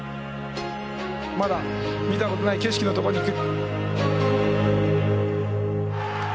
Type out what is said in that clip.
まだ見たことない景色のとこに行く。